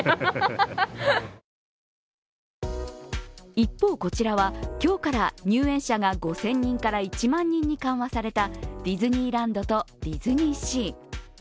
一方、こちらは今日から入園者が５０００人から１万人に緩和されたディズニーランドとディズニーシー。